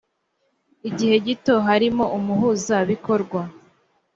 igihe gito harimo umuhuzabikorwa